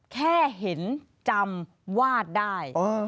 แค่เห็นจำวาดได้